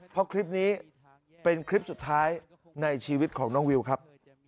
เพราะคลิปนี้เป็นคลิปสุดท้ายในชีวิตของน้องวิวครับ